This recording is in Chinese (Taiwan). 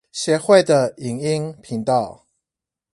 協會的影音頻道